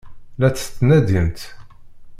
La tt-tettnadimt?